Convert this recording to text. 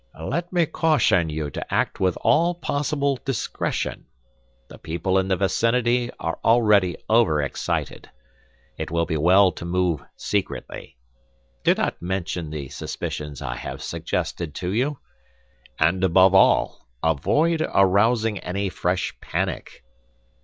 "Let me caution you to act with all possible discretion. The people in the vicinity are already over excited. It will be well to move secretly. Do not mention the suspicions I have suggested to you. And above all, avoid arousing any fresh panic."